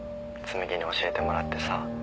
紬に教えてもらってさ。